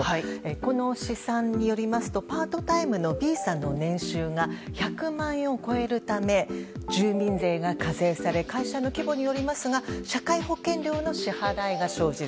この試算によるとパートタイムのＢさんの年収が１００万円を超えるため住民税が課税され会社の規模によりますが社会保険料の支払いが生じる。